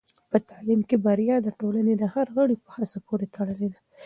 په تعلیم کې بریا د ټولنې د هر غړي په هڅو پورې تړلې ده.